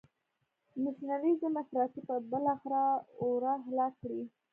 نشنلیزم افراطی به بالاخره او را هلاک کړي.